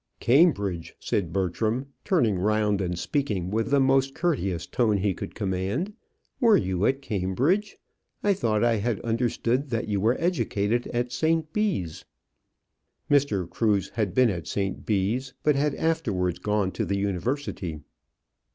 "Cambridge!" said Bertram, turning round and speaking with the most courteous tone he could command. "Were you at Cambridge? I thought I had understood that you were educated at St. Bees." Mr. Cruse had been at St. Bees, but had afterwards gone to the University.